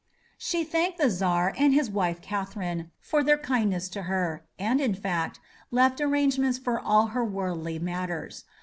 She thanked the Czar and his wife Catherine for their kindness to her, and, in fact, left arrangements for all her worldly matters.